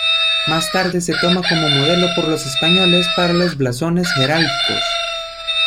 Más tarde se toma como modelo por los españoles para los blasones heráldicos.